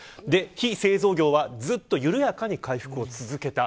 非製造業は緩やかに回復を続けました。